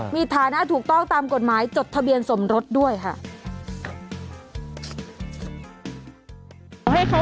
มีฐานะถูกต้องตามกฎหมายจดทะเบียนสมรสด้วยค่ะ